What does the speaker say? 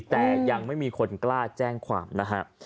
แต่ยังไม่มีคนกล้าแจ้งความนะฮะ